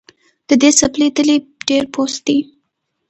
د دې څپلۍ تلی ډېر پوست دی